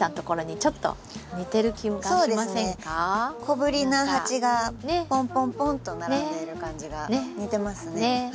小ぶりな鉢がポンポンポンと並んでる感じが似てますね。